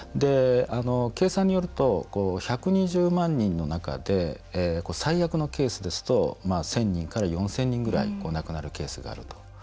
計算によると１２０万人の中で最悪のケースですと１０００人から４０００人ぐらい亡くなるケースがあると。